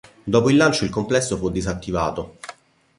Dopo il lancio il complesso fu disattivato.